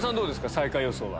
最下位予想は。